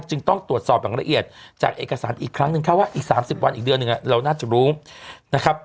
จึงต้องตรวจสอบอย่างละเอียดจากเอกสารอีกครั้งหนึ่งค่ะว่าอีก๓๐วันอีกเดือนหนึ่งเราน่าจะรู้นะครับ